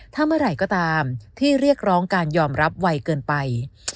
ถ้าเมื่อไหร่ก็ตามที่เรียกร้องการยอมรับไวเกินไป